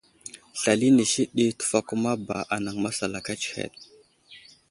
Slal inisi ɗi təfakuma ba anaŋ masalaka tsəhed.